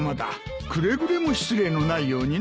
くれぐれも失礼のないようにな。